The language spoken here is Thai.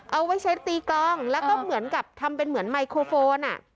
เอาไว้เช็ดตีกลองแล้วก็เหมือนกับทำเป็นเหมือนไมโครโฟน